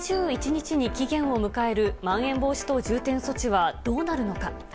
２１日に期限を迎えるまん延防止等重点措置はどうなるのか。